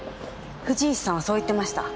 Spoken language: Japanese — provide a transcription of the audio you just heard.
藤石さんはそう言ってました。